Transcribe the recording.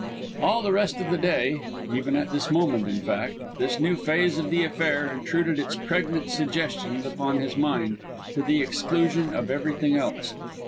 All the rest of the day, even at this moment, in fact, this new phase of the affair intruded its pregnant suggestions upon his mind, to the exclusion of everything else.